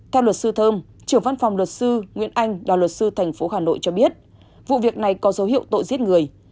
theo luật sư thơm trưởng văn phòng luật sư nguyễn anh đoàn luật sư tp hà nội cho biết vụ việc này có dấu hiệu tội giết người